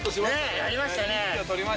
やりましたね。